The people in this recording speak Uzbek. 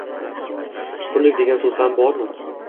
Pullik degan soʻz ham bormi